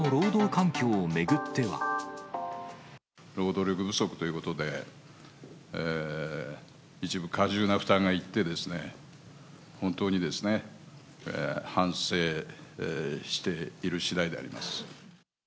労働力不足ということで、一部過重な負担がいってですね、本当に反省しているしだいであります。